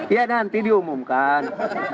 ya nanti diumumkan